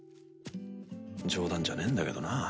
冗談じゃねえんだけどなぁ。